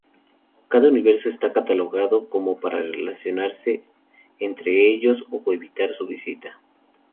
Cada universo está catalogado como para relacionarse entre ellos o evitar su visita.